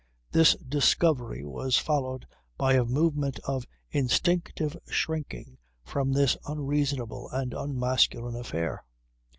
This discovery was followed by a movement of instinctive shrinking from this unreasonable and unmasculine affair.